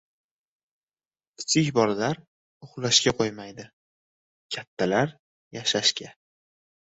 • Kichik bolalar uxlashga qo‘ymaydi, kattalari — yashashga.